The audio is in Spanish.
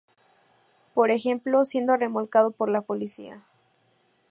Por ejemplo, siendo remolcado por la "policía".